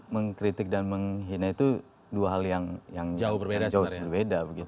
mengkritik dan menghina itu dua hal yang jauh berbeda